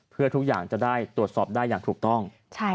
เพื่อทุกอย่างจะได้ตรวจสอบได้อย่างถูกต้อง